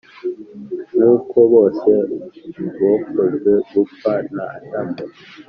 Nk uko bose bokojwe gupfa na Adamu